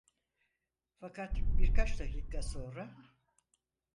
Fakat birkaç dakika sonra: